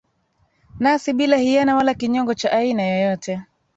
nasi bila hiyana wala kinyongo cha aina yoyote